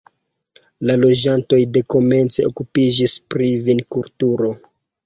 La loĝantoj dekomence okupiĝis pri vinkulturo.